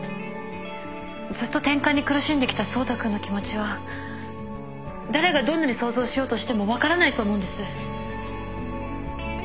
ずっとてんかんに苦しんできた走太君の気持ちは誰がどんなに想像しようとしても分からないと思うんです